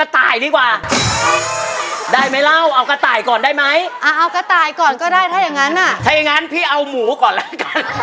ถ้าอย่างนั้นพี่เอาหมูก่อนละก่อน